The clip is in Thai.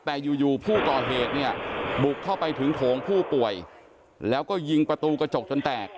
แต่อยู่ผู้ก่อเหตุเนี่ยบุกเข้าไปถึงโถงผู้ป่วยแล้วก็ยิงประตูกระจกจนแตก